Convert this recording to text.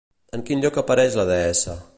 En quin lloc apareix la deessa?